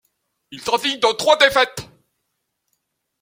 Il s'agit de trois défaites.